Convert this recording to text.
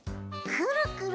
くるくる？